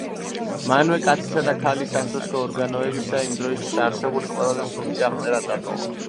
მანვე კაცისა და ქალის სასქესო ორგანოების იმ დროისთვის არსებული ყველაზე ზუსტი აღწერა დატოვა.